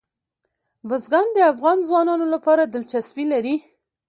بزګان د افغان ځوانانو لپاره دلچسپي لري.